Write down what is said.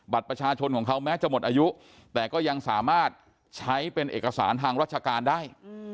ประชาชนของเขาแม้จะหมดอายุแต่ก็ยังสามารถใช้เป็นเอกสารทางราชการได้